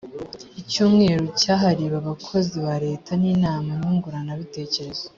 icyumweru cyahariwe abakozi ba leta n inama nyunguranabitekerezo